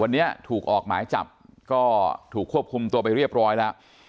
วันนี้ถูกออกหมายจับก็ถูกควบคุมตัวไปเรียบร้อยแล้ว